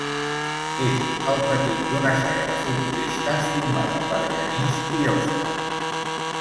És el petit d'una saga de futbolistes formada per Genís i Òscar.